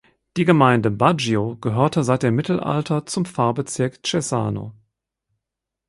Die Gemeinde Baggio gehörte seit dem Mittelalter zum Pfarrbezirk Cesano.